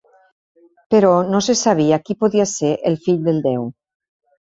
Però no se sabia qui podia ser el fill del déu.